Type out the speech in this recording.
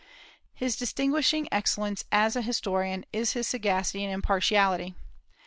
His distinguishing excellence as an historian is his sagacity and impartiality.